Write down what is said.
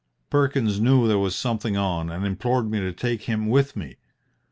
Perkins knew there was something on and implored me to take him with me.